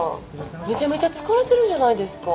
めちゃめちゃ疲れてるじゃないですか。